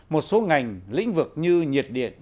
một số ngành lĩnh vực như nhiệt điện